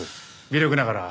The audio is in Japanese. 微力ながら。